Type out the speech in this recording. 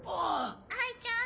哀ちゃん。